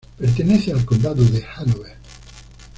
Pertenece al Condado de Hanover.